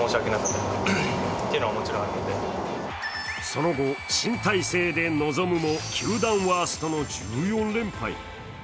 その後、新体制で臨むも、球団ワーストの１４連敗。